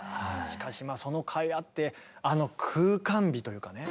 しかしそのかいあってあの「空間美」というかね